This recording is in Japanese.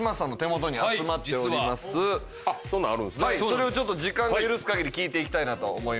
それをちょっと時間が許す限り聞いていきたいなと思います。